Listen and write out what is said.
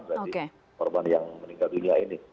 dari korban yang meninggal dunia ini